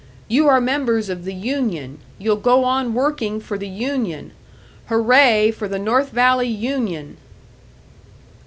You are members of the union, you'll go on working for the union! Hooray for the North Valley union!"